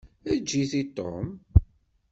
Eǧǧ-it i Tom.